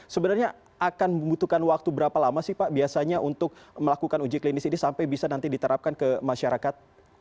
sebenarnya akan membutuhkan waktu berapa lama sih pak biasanya untuk melakukan uji klinis ini sampai bisa nanti diterapkan ke masyarakat